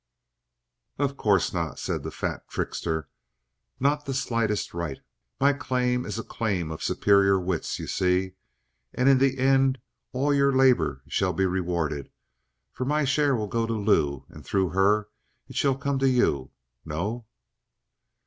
"Of course not," said the fat trickster. "Not the slightest right. My claim is a claim of superior wits, you see. And in the end all your labor shall be rewarded, for my share will go to Lou and through her it shall come to you. No?"